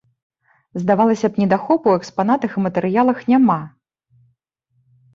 Здавалася б, недахопу ў экспанатах і матэрыялах няма.